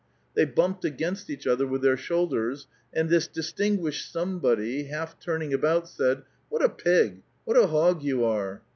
They bumped against each other with their shoulders, and the distinguished somebody, half turning about, said, '' What a pig, what a hog you are